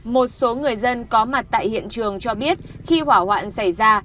một số người dân có mặt tại hiện trường cho biết khi hỏa hoạn xảy ra